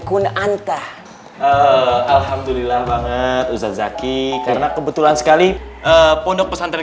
kunanta alhamdulillah banget ustadz zaky karena kebetulan sekali pondok pesantren